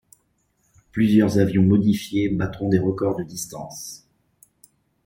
Plusieurs avions modifiés battront des records de distance.